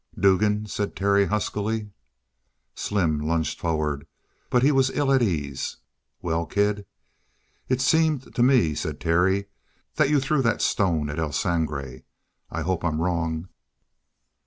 "Dugan!" said Terry huskily. Slim lunged forward, but he was ill at ease. "Well, kid?" "It seemed to me," said Terry, "that you threw that stone at El Sangre. I hope I'm wrong?"